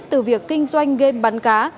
từ việc kinh doanh game bắn cá